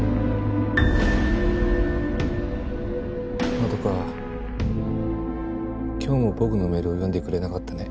まどか今日も僕のメールは読んでくれなかったね